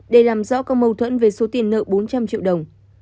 để làm rõ các mâu thuẫn về số tiền nợ bốn trăm linh triệu đồng